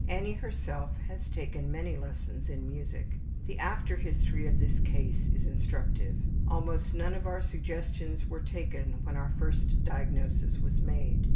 Annie herself has taken many lessons in music. The after history of this case is instructive. Almost none of our suggestions were taken when our first diagnosis was made.